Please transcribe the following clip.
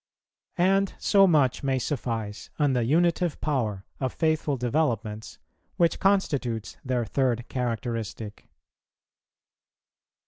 And so much may suffice on the unitive power of faithful developments, which constitutes their third characteristic.